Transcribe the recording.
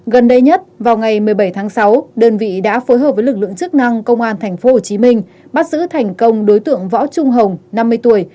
gần đây nhất vào ngày một mươi bảy tháng sáu đơn vị đã phối hợp với lực lượng chức năng công an thành phố hồ chí minh bắt giữ thành công đối tượng võ trung hồng năm mươi tuổi